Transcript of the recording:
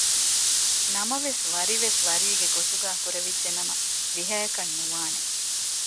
ނަމަވެސް ވަރިވެސް ވަރީގެ ގޮތުގައި ކުރެވިއްޖެ ނަމަ ވިހައަކަށް ނުވާނެ